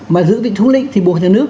mà giữ vị trí thống lĩnh thì buộc nhà nước